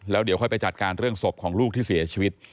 แล้วเดี๋ยวค่อยไปจัดการเรื่องศพของลูกที่เสียชีวิต